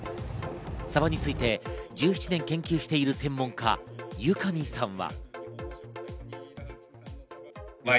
サバについて１７年研究している専門家・由上さんは。